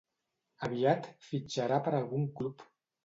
Aviat fitxarà per algun club.